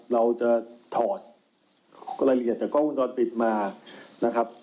เราจะถอดรายละเอียดจากกล้องวงจรปิดมานะครับ